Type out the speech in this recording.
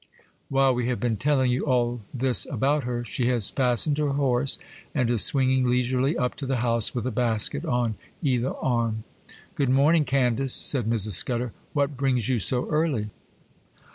While we have been telling you all this about her, she has fastened her horse, and is swinging leisurely up to the house with a basket on either arm. 'Good morning, Candace,' said Mrs. Scudder. 'What brings you so early?